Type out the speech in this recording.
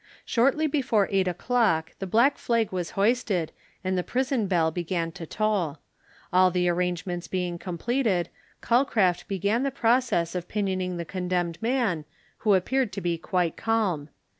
Shortly before eight o'clock, the black flag was hoisted, and the prison bell began to toll. All the arrangements being completed, Calcraft began the process of pinioning the condemned man, who appeared to be quite calm.